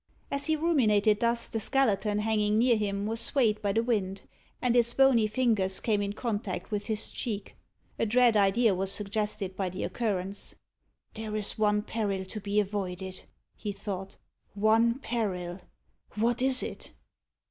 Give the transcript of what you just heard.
As he ruminated thus, the skeleton hanging near him was swayed by the wind, and its bony fingers came in contact with his cheek. A dread idea was suggested by the occurrence. "There is one peril to be avoided," he thought; "ONE PERIL! what is it?